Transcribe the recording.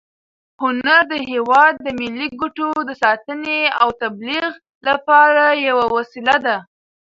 هنر د هېواد د ملي ګټو د ساتنې او تبلیغ لپاره یوه وسیله ده.